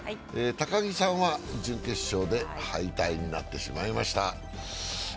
高木さんは準決勝で敗退になってしまいました。